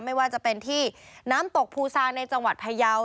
ไม่ว่าจะเป็นที่น้ำตกภูซางในจังหวัดพยาว